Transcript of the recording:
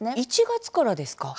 １月からですか。